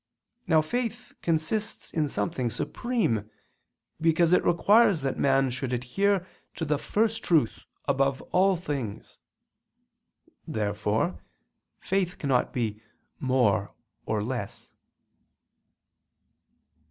Now faith consists in something supreme, because it requires that man should adhere to the First Truth above all things. Therefore faith cannot be "more" or "less."